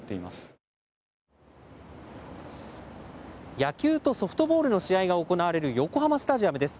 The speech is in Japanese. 野球とソフトボールの試合が行われる横浜スタジアムです。